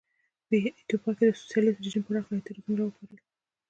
په ایتوپیا کې د سوسیالېست رژیم پراخ اعتراضونه را وپارول.